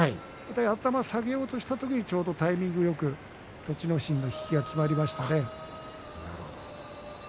頭を下げようとしたところにタイミングよく栃ノ心の引きがきまりましたね。